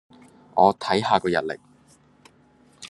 我睇下個日曆